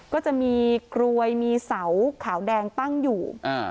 ก็จะมีกรวยมีเสาขาวแดงตั้งอยู่